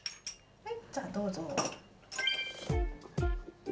はい。